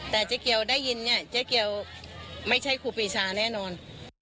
แต่เจ๊เกียวได้ยินเนี่ยเจ๊เกียวไม่ใช่ครูปีชาแน่นอน